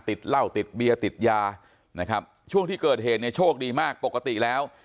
ติดเหล้าติดเบียติดยาช่วงที่เกิดเหตุโชคดีมากปกติแล้ว